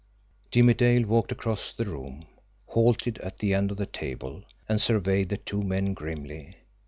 Jimmie Dale walked across the room, halted at the end of the table, and surveyed the two men grimly.